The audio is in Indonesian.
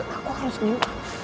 aku harus menyimpan